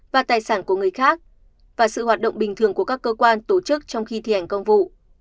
và tài sản của người khác và sự hoạt động bình thường của các cơ quan tổ chức trong khi thi hành công vụ